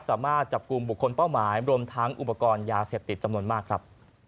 สามารถจับกลุ่มบุคคลเป้าหมายรวมทั้งอุปกรณ์ยาเสพติดจำนวนมากครับ